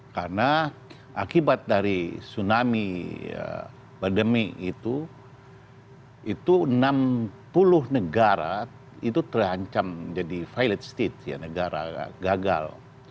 karena akibat dari tsunami pandemi itu enam puluh negara terancam menjadi failed state negara gagal